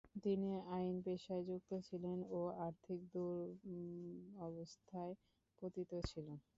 তিনি আইন পেশায় যুক্ত ছিলেন ও আর্থিক দূরাবস্থায় পতিত ছিলেন।